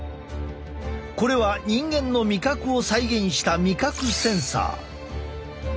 これは人間の味覚を再現した味覚センサー。